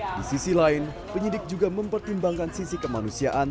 di sisi lain penyidik juga mempertimbangkan sisi kemanusiaan